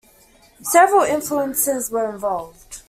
Several influences were involved.